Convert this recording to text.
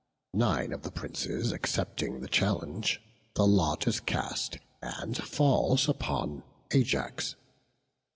Nine of the princes accepting the challenge, the lot is cast, and falls upon Ajax.